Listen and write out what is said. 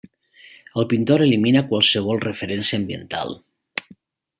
El pintor elimina qualsevol referència ambiental.